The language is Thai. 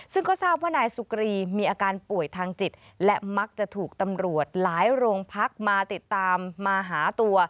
ซึ่งก็ทราบว่านายสุกรีมีอาการป่วยทางจิตและมักจะถูกตำรวจหลายโรงพักมาติดตามมาหาตัว